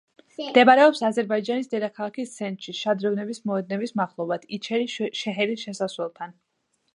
მდებარეობს აზერბაიჯანის დედაქალაქის ცენტრში, შადრევნების მოედნების მახლობლად „იჩერი შეჰერის“ შესასვლელთან.